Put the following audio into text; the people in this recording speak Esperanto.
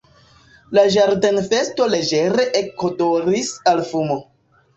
La ĝardenfesto leĝere ekodoris al fumo.